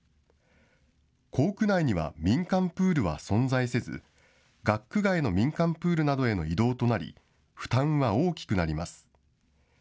校区内には民間プールは存在せず、学区外の民間プールなどへの移動となり、負担は大きくなります。